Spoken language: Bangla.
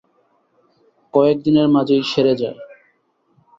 কয়েকদিনের মাঝেই সেরে যায়।